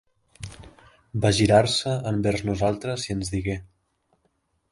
Va girar-se envers nosaltres i ens digué...